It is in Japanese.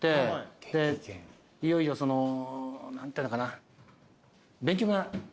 いよいよその何てのかな。